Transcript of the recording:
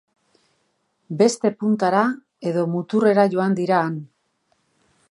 Beste puntara, edo muturrera joan dira han.